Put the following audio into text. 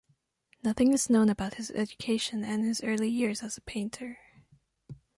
Nothing is known about his education and his early yeas as a painter.